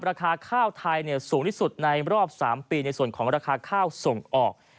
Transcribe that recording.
ราคาข้าวไทยสูงที่สุดในรอบ๓ปีในส่วนของราคาข้าวส่งออก